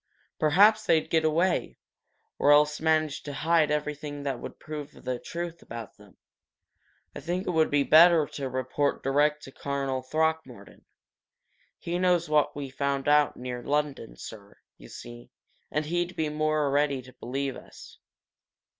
Perhaps they'd get away, or else manage to hide everything that would prove the truth about them. I think it would be better to report direct to Colonel Throckmorton. He knows what we found out near London, sir, you see, and he'd be more ready to believe us."